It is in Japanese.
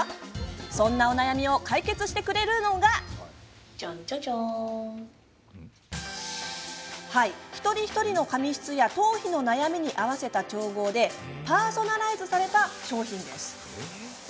そんなお悩みを解決してくれるのが一人一人の髪質や頭皮の悩みに合わせた調合でパーソナライズされた商品です。